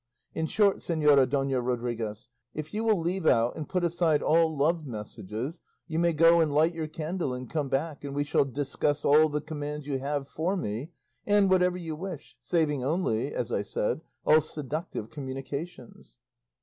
In short, Señora Dona Rodriguez, if you will leave out and put aside all love messages, you may go and light your candle and come back, and we will discuss all the commands you have for me and whatever you wish, saving only, as I said, all seductive communications."